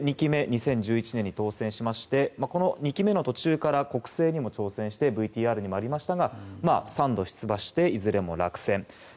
２期目２０１１年に当選しましてこの２期目の途中から国政にも挑戦してＶＴＲにもありましたが３度出馬して、いずれも落選。